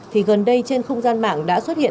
thì gần đây trên không gian mạng đã xuất hiện